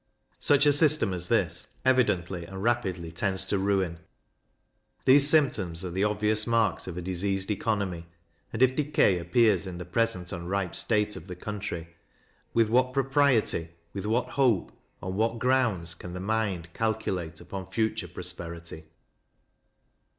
Such a system as this evidently and rapidly tends to ruin; these symptoms are the obvious marks of a diseased economy; and, if decay appears in the present unripe state of the country, with what propriety with what hope on what grounds, can the mind calculate upon future prosperity?